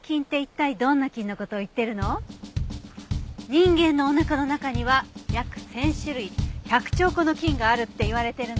人間のおなかの中には約１０００種類１００兆個の菌があるって言われてるの。